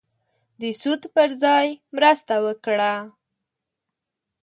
د سود پر ځای مرسته وکړه.